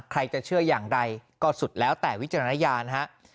ใครจะเชื่ออย่างไรก็สุดแล้วแต่วิจารณญาณฮะ